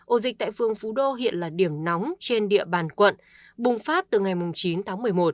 ổ dịch tại phường phú đô hiện là điểm nóng trên địa bàn quận bùng phát từ ngày chín tháng một mươi một